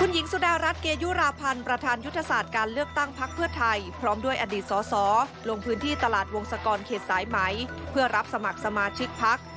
หวังว่าสมบัติส่งในสมบัติสำราชิกพักการเพราะสำคัญชาติสนุกของคนสมัคร